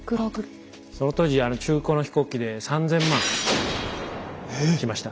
その当時中古の飛行機で３０００万しました。